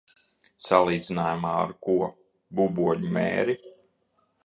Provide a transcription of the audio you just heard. Salīdzinājumā ar ko? Buboņu mēri?